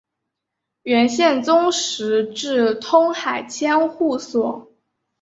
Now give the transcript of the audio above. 元宪宗时置通海千户所。